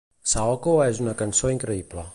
"Saoko" és una cançó increïble.